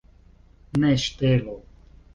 Ne ŝtelu.